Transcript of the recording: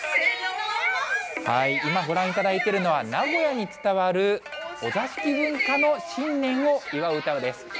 今ご覧いただいているのは、名古屋に伝わるお座敷文化の新年を祝う歌です。